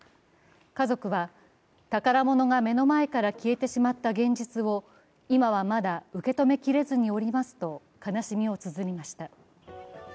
家族は、宝物が目の前で消えてしまった現実を今はまだ受け止めきれずにおりますと、悲しみをつづりました。